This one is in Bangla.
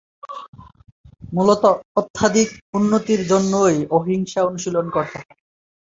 মূলত আধ্যাত্মিক উন্নতির জন্যই অহিংসা অনুশীলন করতে হয়।